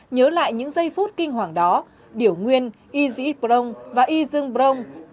nhớ lại những giây phút kinh hoàng đó điều nguyên y dư y brông và y dương brông